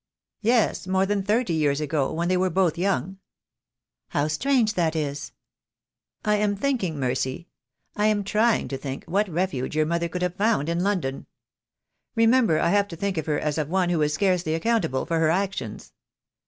"Yes, more than thirty years ago, when they were both young." "How strange that is." "I am thinking, Mercy; I am trying to think what refuge your mother could have found in London? Re member I have to think of her as of one who is scarcely accountable for her actions.